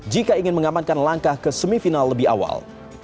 jika ingin mengamankan langkah ke semifinal lebih awal